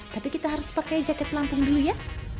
tapi kita harus pakai jaket lampung dulu ya